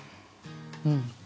うん。